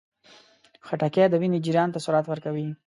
خټکی د وینې جریان ته سرعت ورکوي.